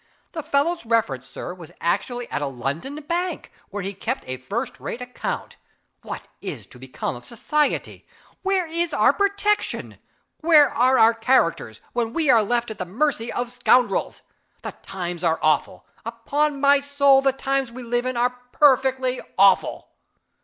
The fellow's reference, sir, was actually at a London bank, where he kept a first rate account. What is to become of society? where is our protection? Where are our characters, when we are left at the mercy of scoundrels? The times are awful upon my soul, the times we live in are perfectly awful!"